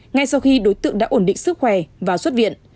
ngay sau khi đối tượng đã ổn định sức khỏe và xuất viện